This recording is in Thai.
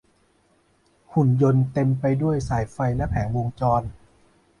หุ่นยนต์เต็มไปด้วยสายไฟและแผงวงจร